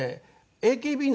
ＡＫＢに？